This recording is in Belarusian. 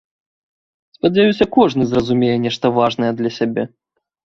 Спадзяюся кожны зразумее нешта важнае для сябе.